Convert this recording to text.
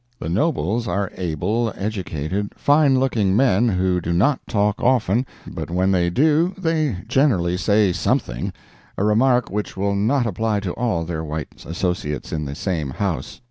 The Nobles are able, educated, fine looking men, who do not talk often, but when they do they generally say something—a remark which will not apply to all their white associates in the same house.